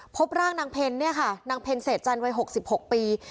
พบร่างนางเพลนเนี่ยค่ะนางเพลนเศรษฐ์จันทร์วัยหกสิบหกปี